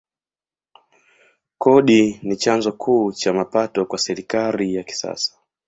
Kodi ni chanzo kuu cha mapato kwa serikali ya kisasa.